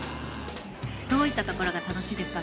どういったところが楽しいですか？